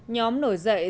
nhóm nổi dậy